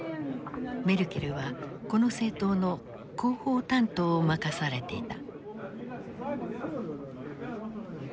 メルケルはこの政党の広報担当を任されていた。